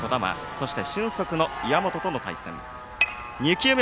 そして、俊足の岩本との対戦。